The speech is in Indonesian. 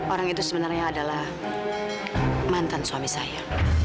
orang itu sebenarnya adalah mantan suami saya